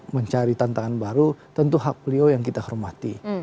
mencari tantangan baru tentu hak beliau yang kita hormati